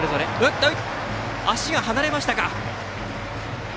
足が離れましたか。